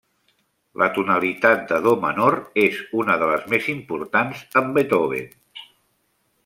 La tonalitat de do menor és una de les més importants en Beethoven.